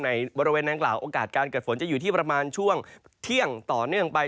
บริเวณนางกล่าวโอกาสการเกิดฝนจะอยู่ที่ประมาณช่วงเที่ยงต่อเนื่องไป